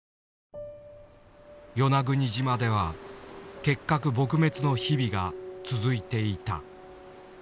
与那国島では結核撲滅の日々が続いていた。